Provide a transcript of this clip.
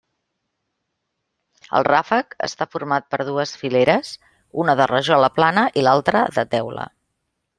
El ràfec està format per dues fileres, una de rajola plana i l'altra de teula.